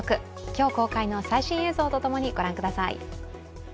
今日、公開の最新映像とともに御覧ください。